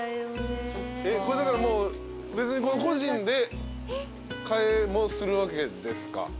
これだからもう別に個人で買えもするわけですか？